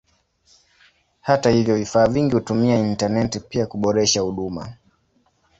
Hata hivyo vifaa vingi hutumia intaneti pia kwa kuboresha huduma.